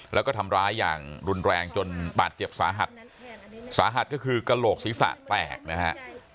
แล้วก็ทำร้ายอย่างรุนแรงจนบาดเจ็บสาหัสสาหัสก็คือกระโหลกศีรษะแตกนะฮะ